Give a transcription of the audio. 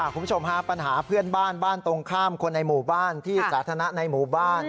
คุณผู้ชมฮะปัญหาเพื่อนบ้านบ้านตรงข้ามคนในหมู่บ้านที่สาธารณะในหมู่บ้าน